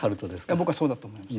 僕はそうだと思います。